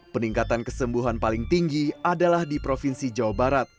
peningkatan kesembuhan paling tinggi adalah di provinsi jawa barat